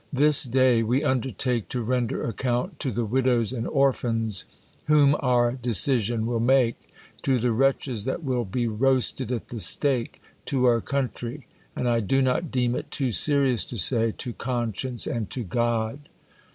This day we undertake to ren der account to the widows and orphans whom our de cision will make, to the wretches that wdll be roasted at the stake, to our country, and 1 do not deem it too serious to say, to conscience, and to God.